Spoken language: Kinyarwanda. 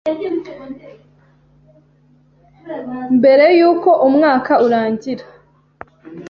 mbere y’uko umwaka urangira